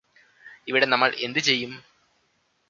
ഇവിടെ നമ്മള് എന്തു ചെയ്യും